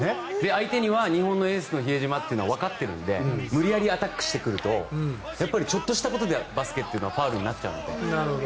相手には日本のエースの比江島というのはわかってるので無理やりアタックしてくるとちょっとしたことでバスケというのはファウルになっちゃうので。